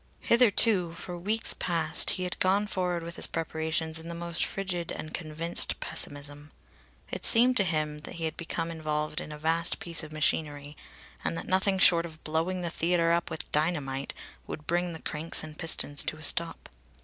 Hitherto, for weeks past, he had gone forward with his preparations in the most frigid and convinced pessimism. It seemed to him that he had become involved in a vast piece of machinery, and that nothing short of blowing the theatre up with dynamite would bring the cranks and pistons to a stop.